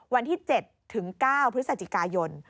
วันที่๗ถึง๙พฤศจิกายน